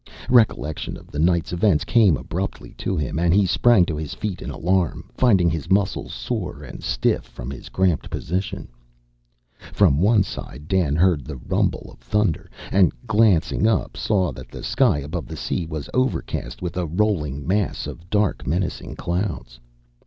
Recollection of the night's events came abruptly to him, and he sprang to his feet in alarm, finding his muscles sore and stiff from his cramped position. From one side Dan heard the rumble of thunder, and, glancing up, saw that the sky above the sea was overcast with a rolling mass of dark, menacing clouds.